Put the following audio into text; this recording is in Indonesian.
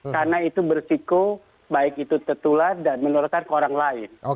karena itu bersiko baik itu tertular dan menurutkan ke orang lain